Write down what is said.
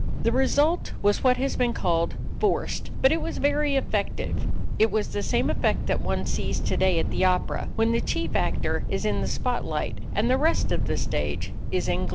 The result was what has been called "forced," but it was very effective. It was the same effect that one sees today at the opera, when the chief actor is in the spot light and the rest of the stage is in gloom.